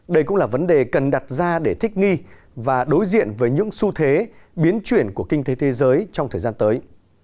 đây cũng là vấn đề cần đặt ra để thích nghi và đối diện với những xu thế biến chuyển của kinh tế thế giới trong thời gian tới